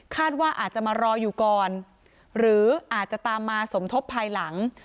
ว่าอาจจะมารออยู่ก่อนหรืออาจจะตามมาสมทบภายหลัง